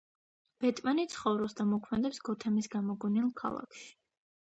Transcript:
ბეტმენი ცხოვრობს და მოქმედებს გოთემის გამოგონილ ქალაქში.